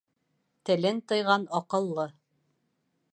Телен тыйған аҡыллы.